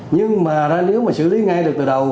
nhưng mà ra nếu mà xử lý ngay được từ đầu